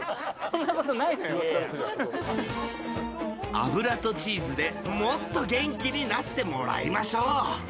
脂とチーズで、もっと元気になってもらいましょう。